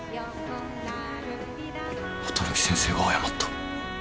綿貫先生が謝った。